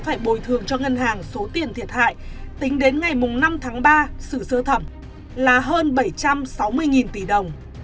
phải bồi thường cho ngân hàng số tiền thiệt hại tính đến ngày năm tháng ba là hơn bảy trăm sáu mươi tỷ đồng